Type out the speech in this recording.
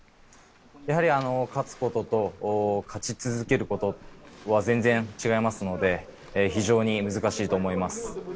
勝つことと勝ち続けることは全然違いますので、非常に難しいと思います。